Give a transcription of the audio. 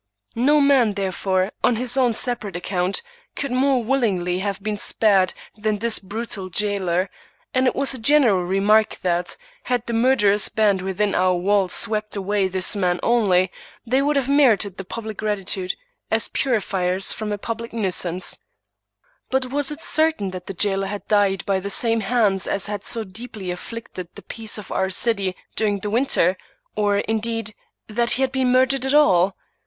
No man, therefore, on his own separate account,, could more willingly have been spared than this brutal jailer ; and it was a general remark that, had the murderous band within our walls swept away this man only, they would have merited the public gratitude as purifiers from a public nui 135 English Mystery Stories sance. But was it certain that the jailer had died by the same hands as had so deeply afflicted the peace of our city during the winter — or, indeed, that he had been murdered at all?